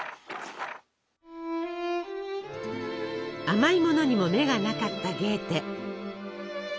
甘いものにも目がなかったゲーテ。